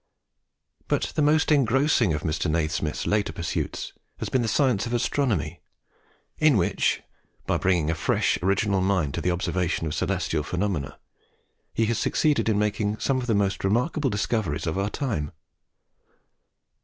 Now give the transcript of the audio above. But the most engrossing of Mr. Nasmyth's later pursuits has been the science of astronomy, in which, by bringing a fresh, original mind to the observation of celestial phenomena, he has succeeded in making some of the most remarkable discoveries of our time.